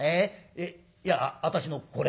えっいや私のこれ。